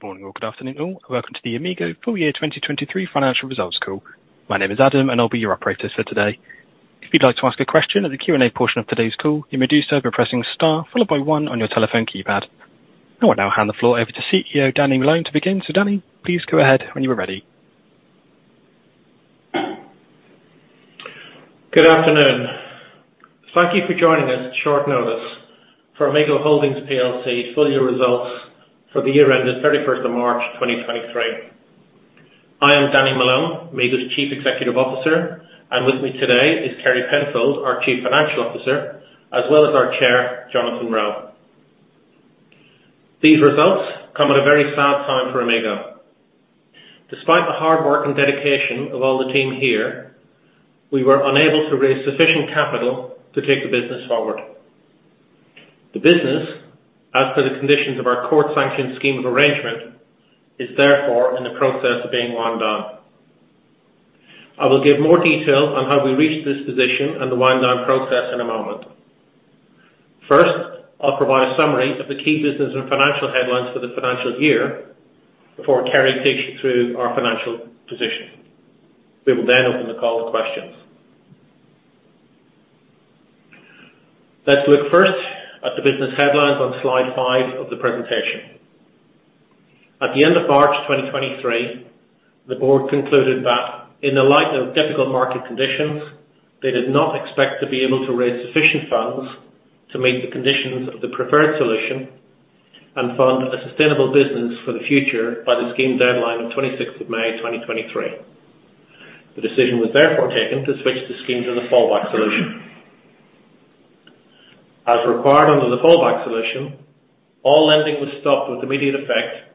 Good morning or good afternoon, all. Welcome to the Amigo full year 2023 financial results call. My name is Adam, and I'll be your operator for today. If you'd like to ask a question at the Q&A portion of today's call, you may do so by pressing star followed by 1 on your telephone keypad. I will now hand the floor over to CEO, Danny Malone, to begin. Danny, please go ahead when you are ready. Good afternoon. Thank you for joining us at short notice for Amigo Holdings PLC full year results for the year ended 31st of March, 2023. I am Danny Malone, Amigo's Chief Executive Officer, and with me today is Kerry Penfold, our Chief Financial Officer, as well as our Chair, Jonathan Roe. These results come at a very sad time for Amigo. Despite the hard work and dedication of all the team here, we were unable to raise sufficient capital to take the business forward. The business, as per the conditions of our court-sanctioned Scheme of Arrangement, is therefore in the process of being wind down. I will give more detail on how we reached this position and the wind down process in a moment. First, I'll provide a summary of the key business and financial headlines for the financial year before Kerry takes you through our financial position. We will then open the call to questions. Let's look first at the business headlines on slide 5 of the presentation. At the end of March 2023, the board concluded that in the light of difficult market conditions, they did not expect to be able to raise sufficient funds to meet the conditions of the Preferred Solution and fund a sustainable business for the future by the scheme deadline of 26th of May, 2023. The decision was therefore taken to switch the scheme to the Fallback Solution. As required under the Fallback Solution, all lending was stopped with immediate effect,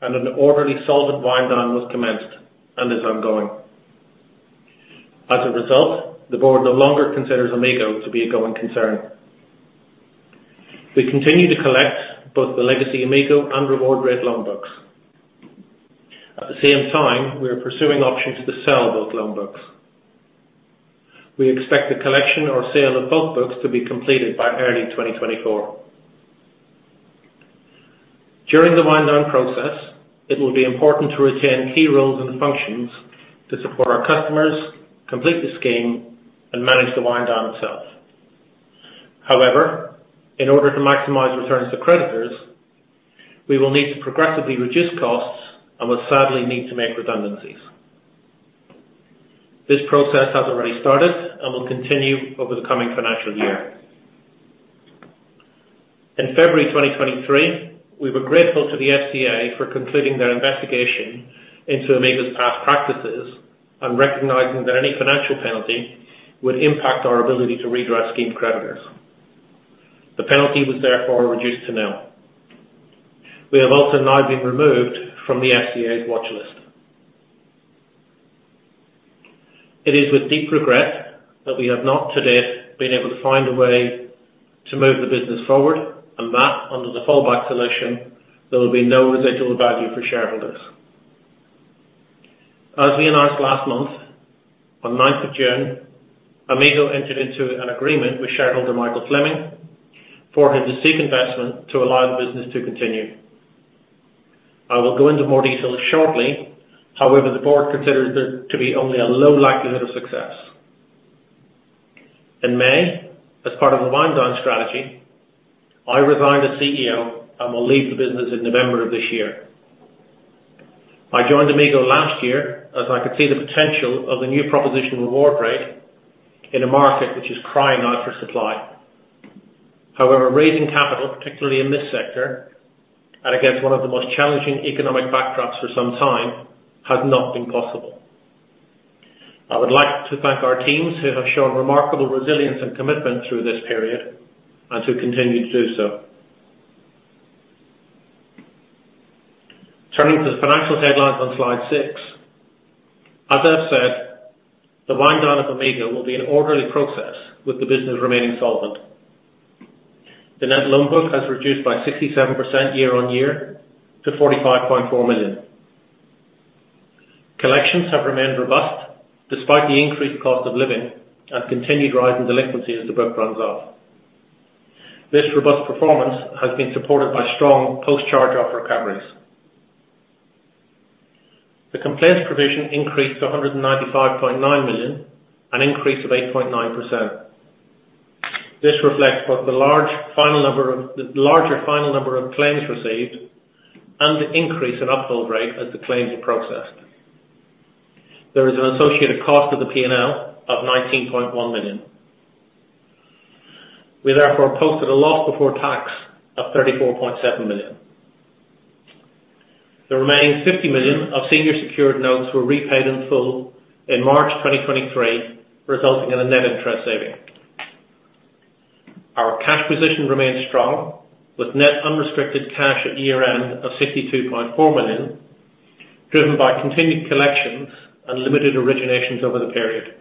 and an orderly solvent wind down was commenced and is ongoing. As a result, the board no longer considers Amigo to be a going concern. We continue to collect both the legacy Amigo and RewardRate loan books. At the same time, we are pursuing options to sell both loan books. We expect the collection or sale of both books to be completed by early 2024. During the wind down process, it will be important to retain key roles and functions to support our customers, complete the Scheme, and manage the wind down itself. However, in order to maximize returns to creditors, we will need to progressively reduce costs and will sadly need to make redundancies. This process has already started and will continue over the coming financial year. In February 2023, we were grateful to the FCA for concluding their investigation into Amigo's past practices and recognizing that any financial penalty would impact our ability to redress Scheme creditors. The penalty was therefore reduced to nil. We have also now been removed from the FCA's watch list. It is with deep regret that we have not to date been able to find a way to move the business forward, and that under the Fallback Solution, there will be no residual value for shareholders. As we announced last month, on ninth of June, Amigo entered into an agreement with shareholder Michael Fleming for him to seek investment to allow the business to continue. I will go into more detail shortly. The board considers there to be only a low likelihood of success. In May, as part of the wind down strategy, I resigned as CEO and will leave the business in November of this year. I joined Amigo last year as I could see the potential of the new proposition with RewardRate in a market which is crying out for supply. Raising capital, particularly in this sector, and against one of the most challenging economic backdrops for some time, has not been possible. I would like to thank our teams who have shown remarkable resilience and commitment through this period and who continue to do so. Turning to the financial headlines on slide 6. As I've said, the wind down of Amigo will be an orderly process with the business remaining solvent. The net loan book has reduced by 67% year-over-year to 45.4 million. Collections have remained robust despite the increased cost of living and continued rise in delinquency as the book runs off. This robust performance has been supported by strong post-charge-off recoveries. The complaints provision increased to 195.9 million, an increase of 8.9%. This reflects both the large final number of... the larger final number of claims received and the increase in upload rate as the claims are processed. There is an associated cost to the P&L of 19.1 million. We therefore posted a loss before tax of 34.7 million. The remaining 50 million of senior secured notes were repaid in full in March 2023, resulting in a net interest saving. Our cash position remains strong, with net unrestricted cash at year-end of 62.4 million, driven by continued collections and limited originations over the period.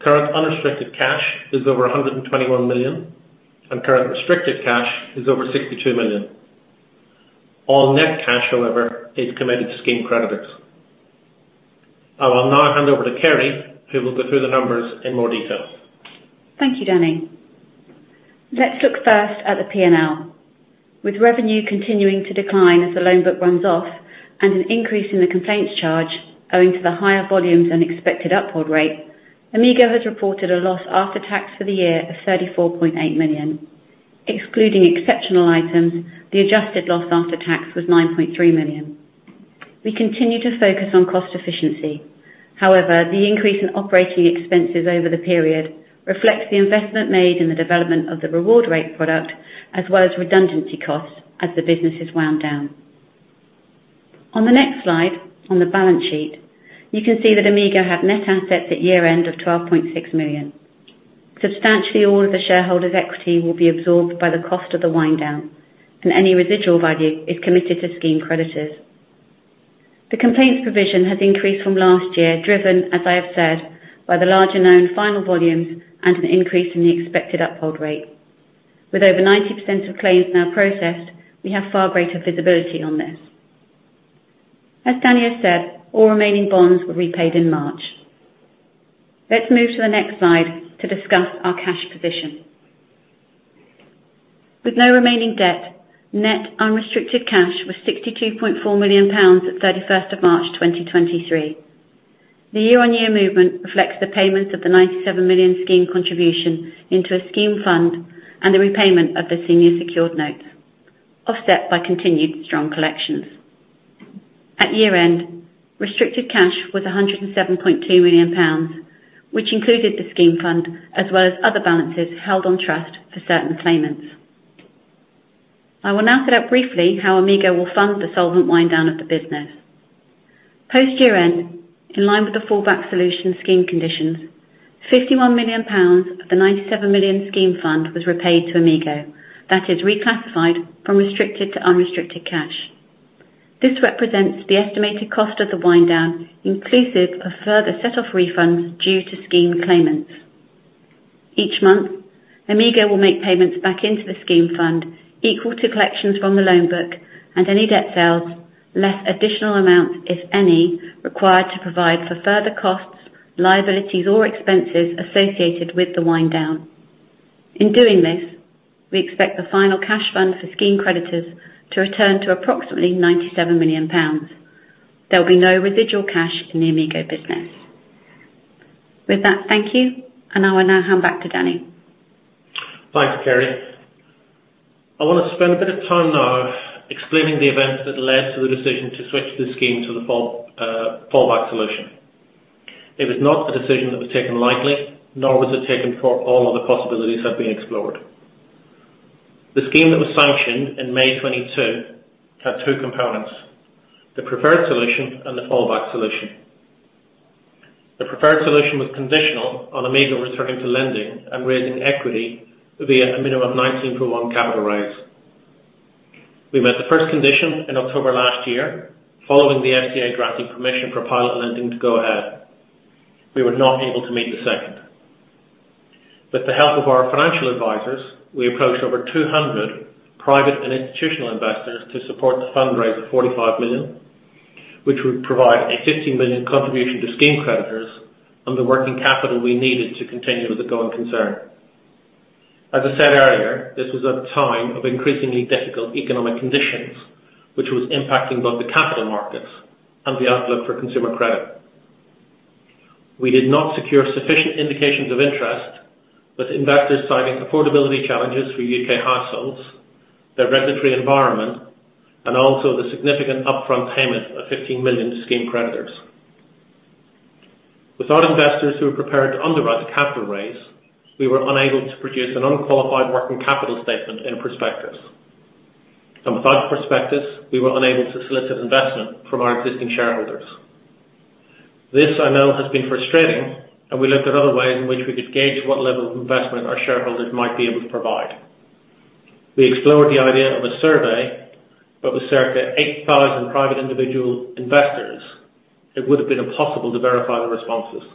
Current unrestricted cash is over 121 million, and current restricted cash is over 62 million. All net cash, however, is committed to scheme creditors. I will now hand over to Kerry, who will go through the numbers in more detail. Thank you, Danny. Let's look first at the P&L. With revenue continuing to decline as the loan book runs off and an increase in the complaints charge owing to the higher volumes and expected upload rate, Amigo has reported a loss after tax for the year of 34.8 million. Excluding exceptional items, the adjusted loss after tax was 9.3 million. We continue to focus on cost efficiency. The increase in operating expenses over the period reflects the investment made in the development of the RewardRate product, as well as redundancy costs as the business is wound down. On the next slide, on the balance sheet, you can see that Amigo had net assets at year-end of 12.6 million. Substantially all of the shareholders' equity will be absorbed by the cost of the wind down, and any residual value is committed to scheme creditors. The complaints provision has increased from last year, driven, as I have said, by the larger known final volumes and an increase in the expected uphold rate. With over 90% of claims now processed, we have far greater visibility on this. As Danny has said, all remaining bonds were repaid in March. Let's move to the next slide to discuss our cash position. With no remaining debt, net unrestricted cash was GBP 62.4 million at March 31, 2023. The year-on-year movement reflects the payment of the 97 million scheme contribution into a scheme fund and the repayment of the senior secured notes, offset by continued strong collections. At year-end, restricted cash was 107.2 million pounds, which included the scheme fund as well as other balances held on trust for certain claimants. I will now set out briefly how Amigo will fund the solvent wind down of the business. Post year-end, in line with the Fallback Solution scheme conditions, 51 million pounds of the 97 million scheme fund was repaid to Amigo. That is reclassified from restricted to unrestricted cash. This represents the estimated cost of the wind down, inclusive of further set-off refunds due to scheme claimants. Each month, Amigo will make payments back into the scheme fund, equal to collections from the loan book and any debt sales, less additional amounts, if any, required to provide for further costs, liabilities or expenses associated with the wind down. In doing this, we expect the final cash fund for scheme creditors to return to approximately GBP 97 million. There will be no residual cash in the Amigo business. With that, thank you, and I will now hand back to Danny. Thanks, Kerry. I want to spend a bit of time now explaining the events that led to the decision to switch the scheme to the Fallback Solution. It was not a decision that was taken lightly, nor was it taken before all other possibilities had been explored. The scheme that was sanctioned in May 2022 had two components, the Preferred Solution and the Fallback Solution. The Preferred Solution was conditional on Amigo returning to lending and raising equity via a minimum of 19 to 1 capital raise. We met the first condition in October last year, following the FCA granting permission for pilot lending to go ahead. We were not able to meet the second. With the help of our financial advisors, we approached over 200 private and institutional investors to support the fund raise of 45 million, which would provide a 15 million contribution to scheme creditors and the working capital we needed to continue as a going concern. As I said earlier, this was at a time of increasingly difficult economic conditions, which was impacting both the capital markets and the outlook for consumer credit. We did not secure sufficient indications of interest, with investors citing affordability challenges for U.K. households, the regulatory environment, and also the significant upfront payment of 15 million to scheme creditors. Without investors who were prepared to underwrite a capital raise, we were unable to produce an unqualified working capital statement in a prospectus. Without a prospectus, we were unable to solicit investment from our existing shareholders. This, I know, has been frustrating, and we looked at other ways in which we could gauge what level of investment our shareholders might be able to provide. We explored the idea of a survey, but with circa 8,000 private individual investors, it would have been impossible to verify the responses.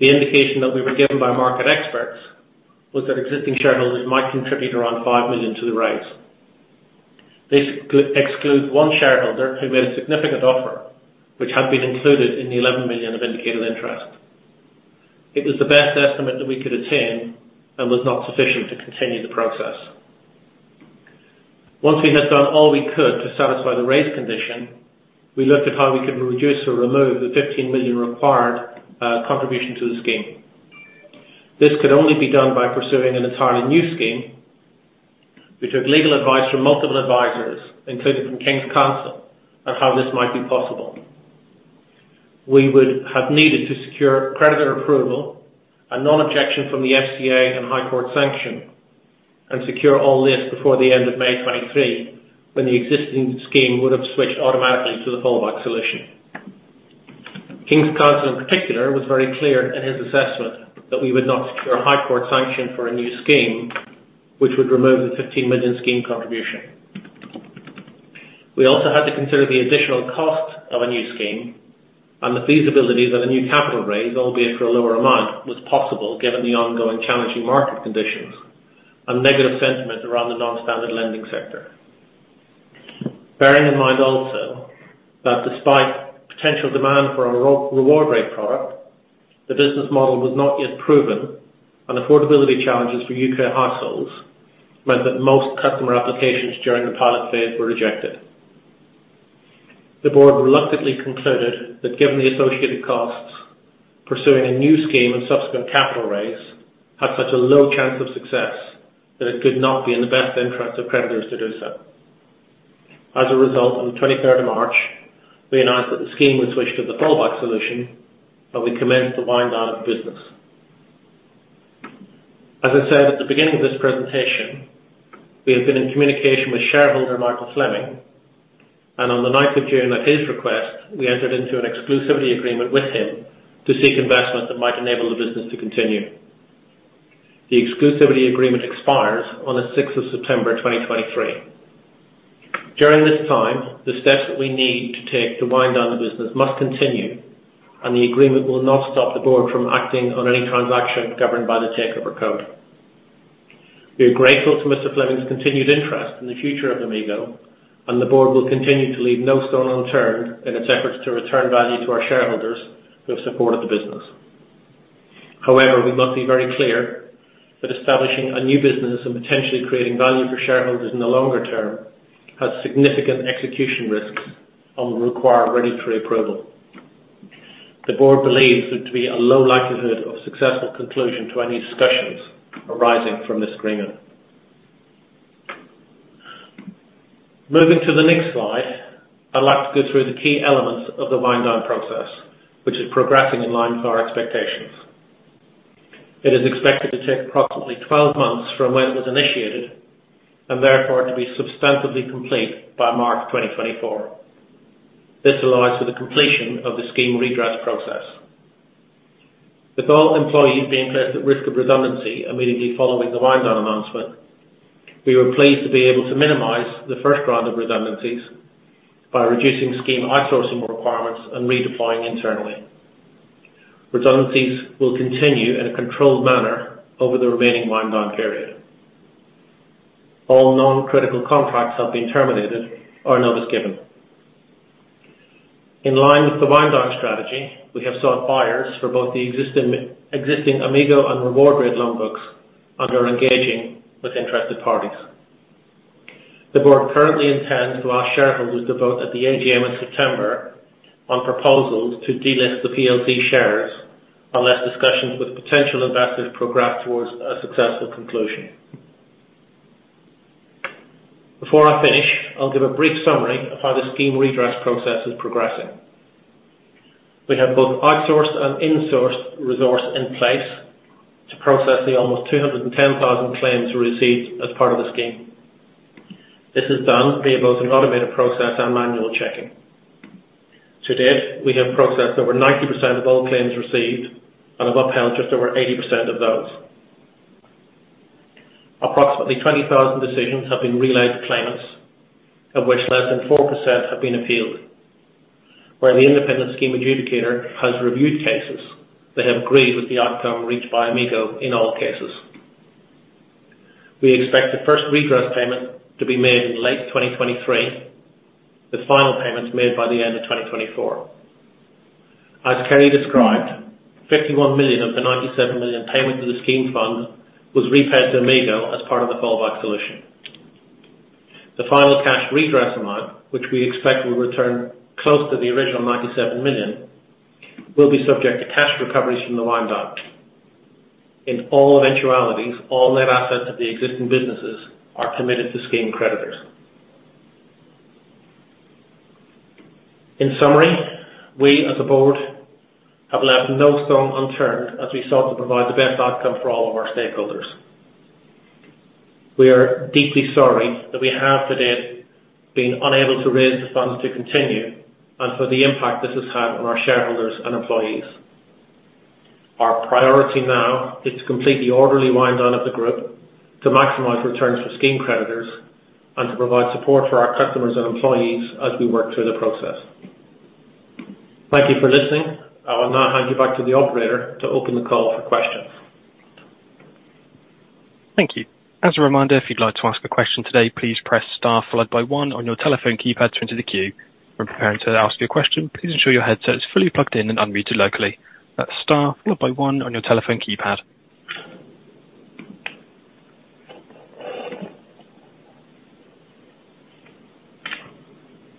The indication that we were given by market experts was that existing shareholders might contribute around 5 million to the raise. This could exclude one shareholder who made a significant offer, which had been included in the 11 million of indicated interest. It was the best estimate that we could obtain and was not sufficient to continue the process. Once we had done all we could to satisfy the raise condition, we looked at how we could reduce or remove the 15 million required contribution to the scheme. This could only be done by pursuing an entirely new Scheme. We took legal advice from multiple advisors, including from King's Counsel, on how this might be possible. We would have needed to secure creditor approval and non-objection from the FCA and High Court sanction, and secure all this before the end of May 2023, when the existing Scheme would have switched automatically to the Fallback Solution. King's Counsel, in particular, was very clear in his assessment that we would not secure a High Court sanction for a new Scheme, which would remove the 15 million Scheme contribution. We also had to consider the additional cost of a new Scheme and the feasibility that a new capital raise, albeit for a lower amount, was possible given the ongoing challenging market conditions and negative sentiment around the non-standard lending sector.... Bearing in mind also, that despite potential demand for a RewardRate product, the business model was not yet proven, and affordability challenges for U.K. households meant that most customer applications during the pilot phase were rejected. The board reluctantly concluded that given the associated costs, pursuing a new Scheme and subsequent capital raise had such a low chance of success, that it could not be in the best interest of creditors to do so. As a result, on the 23rd of March, we announced that the Scheme would switch to the Fallback Solution, and we commenced the wind down of the business. As I said at the beginning of this presentation, we have been in communication with shareholder Michael Fleming, and on the 9th of June, at his request, we entered into an exclusivity agreement with him to seek investment that might enable the business to continue. The exclusivity agreement expires on the 6th of September, 2023. During this time, the steps that we need to take to wind down the business must continue, and the agreement will not stop the board from acting on any transaction governed by The Takeover Code. We are grateful to Mr. Fleming's continued interest in the future of Amigo, and the board will continue to leave no stone unturned in its efforts to return value to our shareholders who have supported the business. However, we must be very clear that establishing a new business and potentially creating value for shareholders in the longer term has significant execution risks and will require regulatory approval. The board believes there to be a low likelihood of successful conclusion to any discussions arising from this agreement. Moving to the next slide, I'd like to go through the key elements of the wind down process, which is progressing in line with our expectations. It is expected to take approximately 12 months from when it was initiated, and therefore, to be substantively complete by March 2024. This allows for the completion of the scheme redress process. With all employees being placed at risk of redundancy immediately following the wind down announcement, we were pleased to be able to minimize the first round of redundancies by reducing scheme outsourcing requirements and redeploying internally. Redundancies will continue in a controlled manner over the remaining wind down period. All non-critical contracts have been terminated or notice given. In line with the wind down strategy, we have sought buyers for both the existing Amigo and RewardRate loan books, and we are engaging with interested parties. The board currently intends to ask shareholders to vote at the AGM in September on proposals to delist the PLC shares, unless discussions with potential investors progress towards a successful conclusion. Before I finish, I'll give a brief summary of how the scheme redress process is progressing. We have both outsourced and insourced resource in place to process the almost 210,000 claims received as part of the scheme. This is done via both an automated process and manual checking. To date, we have processed over 90% of all claims received and have upheld just over 80% of those. Approximately 20,000 decisions have been relayed to claimants, of which less than 4% have been appealed, where the independent scheme adjudicator has reviewed cases. They have agreed with the outcome reached by Amigo in all cases. We expect the first redress payment to be made in late 2023, the final payments made by the end of 2024. As Kerry described, 51 million of the 97 million payment to the scheme fund was repaid to Amigo as part of the Fallback Solution. The final cash redress amount, which we expect will return close to the original 97 million, will be subject to cash recoveries from the wind down. In all eventualities, all net assets of the existing businesses are committed to scheme creditors. In summary, we, as a board, have left no stone unturned as we sought to provide the best outcome for all of our stakeholders. We are deeply sorry that we have to date been unable to raise the funds to continue, and for the impact this has had on our shareholders and employees. Our priority now is to complete the orderly wind down of the group, to maximize returns for Scheme creditors, and to provide support for our customers and employees as we work through the process. Thank you for listening. I will now hand you back to the operator to open the call for questions. Thank you. As a reminder, if you'd like to ask a question today, please press star followed by one on your telephone keypad to enter the queue. When preparing to ask your question, please ensure your headset is fully plugged in and unmuted locally. That's star followed by one on your telephone keypad.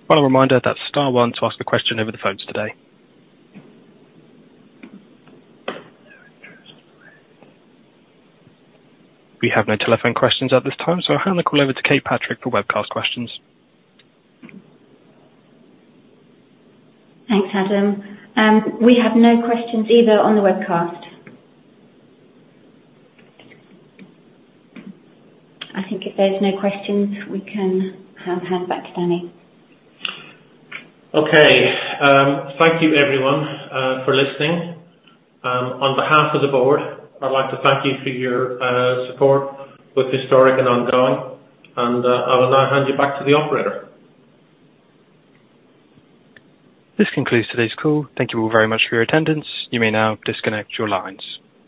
Final reminder, that's star one to ask a question over the phones today. We have no telephone questions at this time, I'll hand the call over to Kate Patrick for webcast questions. Thanks, Adam. We have no questions either on the webcast. I think if there's no questions, we can hand back to Danny. Okay, thank you everyone, for listening. On behalf of the board, I'd like to thank you for your support with historic and ongoing. I will now hand you back to the operator. This concludes today's call. Thank you all very much for your attendance. You may now disconnect your lines.